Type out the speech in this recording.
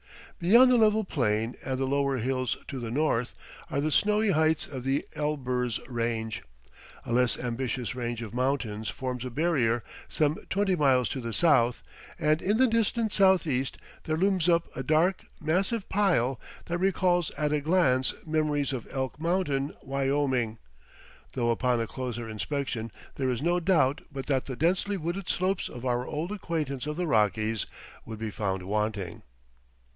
Beyond the level plain and the lower hills to the north are the snowy heights of the Elburz range; a less ambitious range of mountains forms a barrier some twenty miles to the south, and in the distant southeast there looms up a dark, massive pile that recalls at a glance memories of Elk Mountain, Wyoming; though upon a closer inspection there is no doubt but that the densely wooded slopes of our old acquaintance of the Rockies would be found wanting.